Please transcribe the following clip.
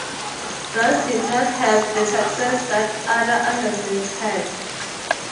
Lars did not have the success that the other Andersons had.